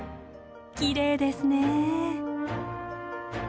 きれいですね。